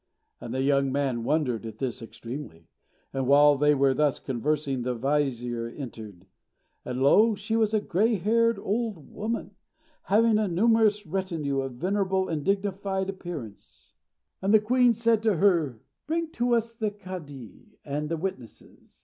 And the young man wondered at this extremely. And while they were thus conversing, the vizier entered; and lo! she was a grey haired old woman, having a numerous retinue, of venerable and dignified appearance; and the queen said to her, "Bring to us the Kádee and the witnesses."